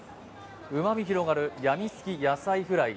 旨み広がるやみつき野菜フライ。